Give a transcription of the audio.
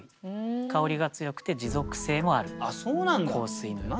香りが強くて持続性もある香水のようなんですね。